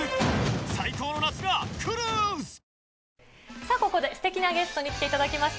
さあここですてきなゲストに来ていただきました。